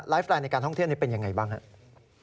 แฟนในการท่องเที่ยวนี้เป็นยังไงบ้างครับ